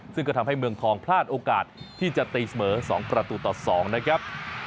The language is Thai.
ซึ่งก็ทำให้เมืองทองพลาดโอกาสที่จะตีเสมอ๒ประตูต่อ๒นะครับ